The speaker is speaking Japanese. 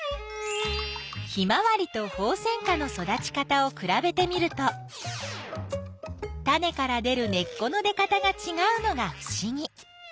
ヒマワリとホウセンカの育ち方をくらべてみるとタネから出る根っこの出かたがちがうのがふしぎ。